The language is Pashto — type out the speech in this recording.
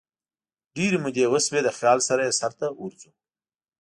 ډیري مودې وشوي دخیال سره یې سرته ورځو